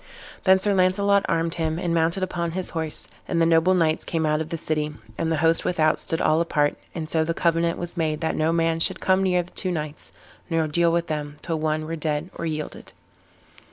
Then Sir Launcelot armed him and mounted upon his horse, and the noble knights came out of the city, and the host without stood all apart; and so the covenant was made that no man should come near the two knights, nor deal with them, till one were dead or yielded.